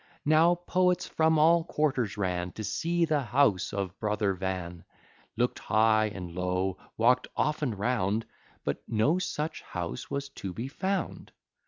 Now, Poets from all quarters ran, To see the house of brother Van; Looked high and low, walk'd often round; But no such house was to be found.